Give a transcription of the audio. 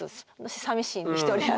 さみしいんで１人やと。